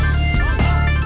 err oklahoma lake